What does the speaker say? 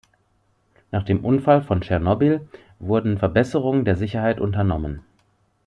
Nach dem Unfall von Tschernobyl wurden Verbesserungen der Sicherheit unternommen.